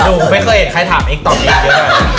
หนูไม่เคยเห็นใครถามเองตอบดีเยอะกว่า